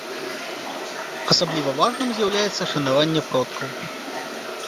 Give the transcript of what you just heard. Асабліва важным з'яўляецца шанаванне продкаў.